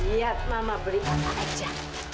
lihat mama berikan aja